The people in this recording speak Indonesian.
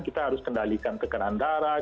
kita harus kendalikan tekanan darah